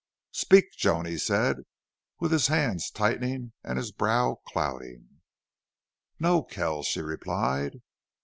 "Speak, Joan!" he said, with his hands tightening and his brow clouding. "No, Kells," she replied.